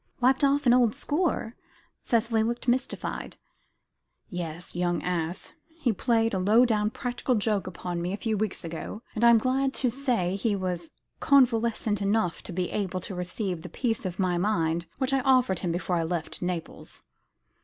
"Wiped off an old score?" Cicely looked mystified. "Yes; young ass! He played a low down practical joke upon me a few weeks ago; and I am glad to say he was convalescent enough to be able to receive the piece of my mind which I offered him before I left Naples."